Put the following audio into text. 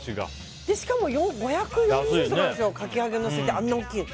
しかも、５４０円とかなんですよかき揚げのせてあんなに大きいの。